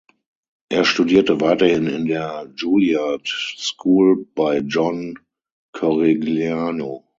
Er studierte weiterhin in der Juilliard School bei John Corigliano.